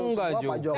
terus gua pak jokowi